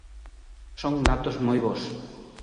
Son datos moi bos.